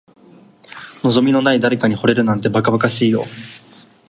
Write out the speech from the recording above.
望みのない誰かに惚れるなんて、ばかばかしいよ。